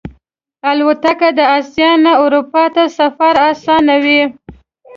الوتکه د آسیا نه اروپا ته سفر آسانوي.